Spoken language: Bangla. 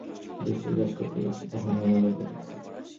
আমরা যখনই আবেগময় কোনো দৃশ্যে কাজ করতে গেছি, তখনই আমার লজ্জা লেগেছে।